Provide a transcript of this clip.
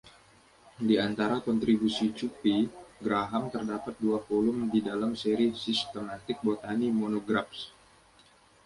Di antara kontribusi “Cuphea” Graham terdapat dua volume di dalam seri “Systematic Botany Monographs”.